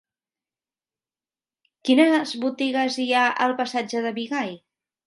Quines botigues hi ha al passatge de Bigai?